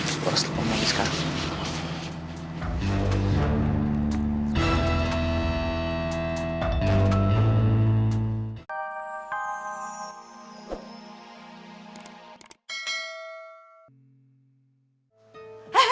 lu harus lupa mondi sekarang